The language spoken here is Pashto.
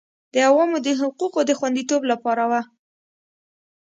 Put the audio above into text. د عوامو د حقوقو د خوندیتوب لپاره وه